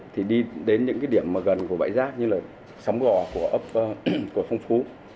thì đi đến những điểm gần của bãi rác như là sóng gò của phong phú